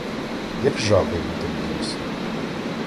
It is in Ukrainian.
Як жаби літом із роси.